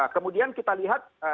kemudian kita lihat